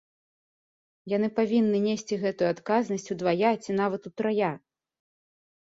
Яны павінны несці гэтую адказнасць удвая ці нават утрая.